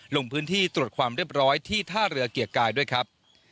ลงพื้นที่ตรวจความเรียบร้อยที่ท่าเรือเกียรติกายด้วยครับ